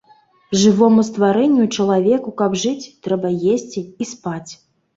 Жывому стварэнню і чалавеку каб жыць, трэба есці і спаць.